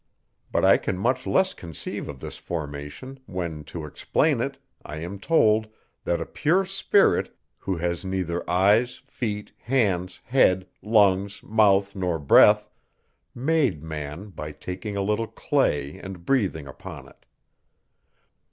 But I can much less conceive of this formation, when to explain it, I am told, that a pure spirit, who has neither eyes, feet, hands, head, lungs, mouth nor breath, made man by taking a little clay, and breathing upon it.